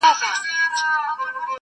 چي خاوند به یې روان مخ پر کوټې سو٫